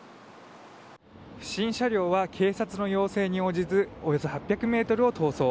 不審車両は警察の要請に応じずおよそ８００ｍを逃走。